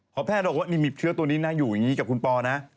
พอแพทย์บอกว่านี่มีเชื้อตัวนี้นะอยู่อย่างนี้กับคุณปอนะ